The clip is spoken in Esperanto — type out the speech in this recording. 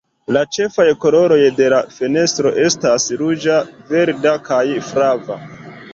La ĉefaj koloroj de la fenestro estas ruĝa, verda kaj flava.